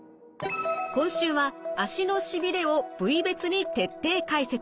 今週は足のしびれを部位別に徹底解説。